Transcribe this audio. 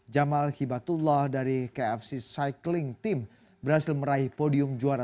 jamal hibatullah dari kfc cycling team berhasil meraih podium juara